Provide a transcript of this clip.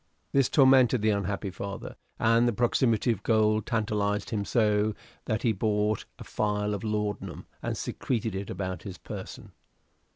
This tormented the unhappy father, and the proximity of gold tantalized him so that he bought a phial of laudanum, and secreted it about his person.